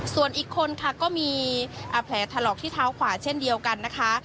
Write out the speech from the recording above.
ส่วนอีกคนค่ะก็มีแผลถลอกที่เท้าขวาเช่นเดียวกันนะคะ